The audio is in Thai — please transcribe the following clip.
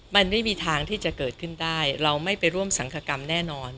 มันไม่มีทางที่จะเกิดขึ้นได้เราไม่ไปร่วมสังคกรรมแน่นอน